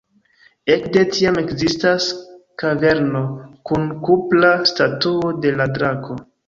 Ekde tiam ekzistas kaverno kun kupra statuo de la drako.